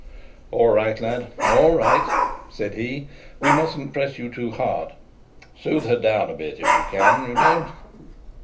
"All right, lad, all right," said he. "We mustn't press you too hard. Soothe her down a bit, if you can, you know.